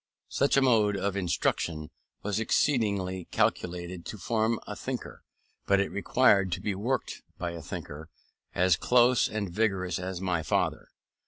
Such a mode of instruction was excellently calculated to form a thinker; but it required to be worked by a thinker, as close and vigorous as my father.